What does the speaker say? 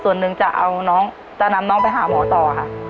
ส่วนหนึ่งจะเอาน้องจะนำน้องไปหาหมอต่อค่ะ